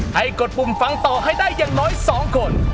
กดปุ่มฟังต่อให้ได้อย่างน้อย๒คน